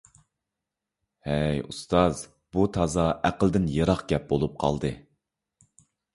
ھەي ئۇستاز، بۇ تازا ئەقىلدىن يىراق گەپ بولۇپ قالدى.